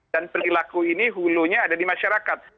dan perilaku ini hulunya ada di masyarakat